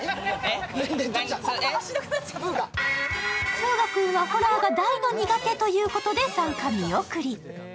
風雅君はホラーが大の苦手ということで参加見送り。